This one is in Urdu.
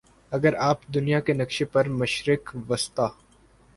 اگر آپ دنیا کے نقشے پر مشرق وسطیٰ